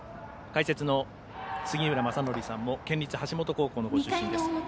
解説の杉浦正則さんも県立橋本高校のご出身です。